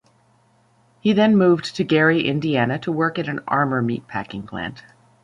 He then moved to Gary, Indiana, to work at an Armour meat-packing plant.